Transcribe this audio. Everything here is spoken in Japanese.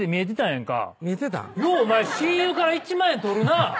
ようお前親友から１万円取るな。